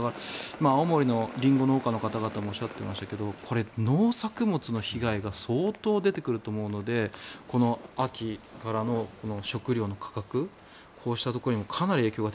青森県のリンゴ農家の方々もおっしゃってましたけどこれ、農作物の被害が相当出てくると思うのでこの秋からの食料の価格こうしたところにもかなり影響が